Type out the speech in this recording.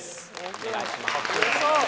お願いします。